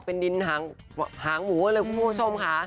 เป็นดินหางหมูเลยคุณผู้ชมค่ะ